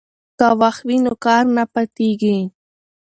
که وخت وي نو کار نه پاتیږي.